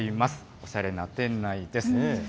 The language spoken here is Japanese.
おしゃれな店内です。